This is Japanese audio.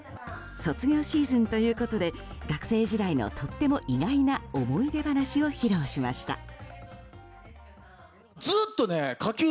卒業シーズンということで学生時代のとても意外な思い出話を披露しました。